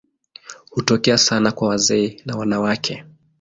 Hutokea sana kwa wazee na wanawake.